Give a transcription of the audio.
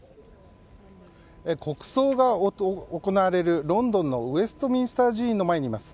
国葬が行われるロンドンのウェストミンスター寺院の前にいます。